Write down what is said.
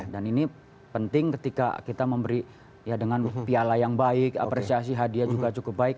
dan ini penting ketika kita memberi ya dengan piala yang baik apresiasi hadiah juga cukup baik